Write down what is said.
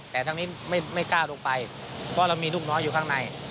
แต่ทางนี้ไม่กล้าลงไปเพราะเรามีลูกน้อยอยู่ข้างใน